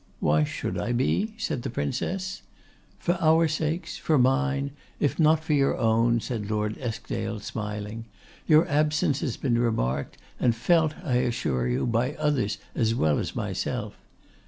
'Why should I be?' said the Princess. 'For our sakes, for mine, if not for your own,' said Lord Eskdale, smiling. 'Your absence has been remarked, and felt, I assure you, by others as well as myself.